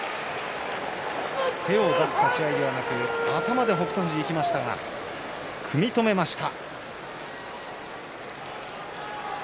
手を出す立ち合いではなく頭で北勝富士いきましたが組み止めました。